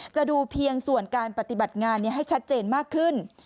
จะดูเพียงส่วนการปฏิบัติงานให้ชัดเจนมากขึ้น